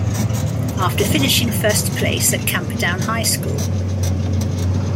After finishing first place at Camperdown High School.